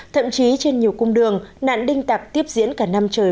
thậm chí trên nhiều cung đường nạn đinh tặc tiếp diễn cả năm trời